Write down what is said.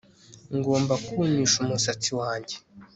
Ngomba kumisha umusatsi wanjye